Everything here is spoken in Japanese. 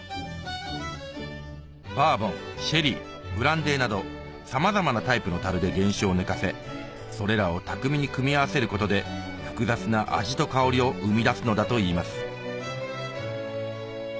バーボンシェリーブランデーなどさまざまなタイプの樽で原酒を寝かせそれらを巧みに組み合わせることで複雑な味と香りを生み出すのだといいます